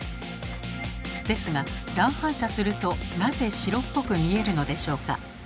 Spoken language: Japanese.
ですが乱反射するとなぜ白っぽく見えるのでしょうか。